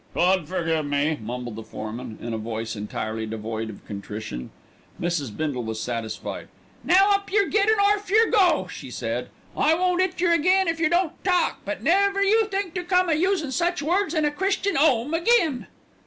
"God forgive me," mumbled the foreman, in a voice entirely devoid of contrition. Mrs. Bindle was satisfied. "Now up yer get, and orf yer go," she said. "I won't 'it yer again if yer don't talk, but never you think to come a usin' such words in a Christian 'ome again."